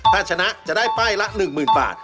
ถ้าชนะจะได้ป้ายละ๑๐๐๐บาท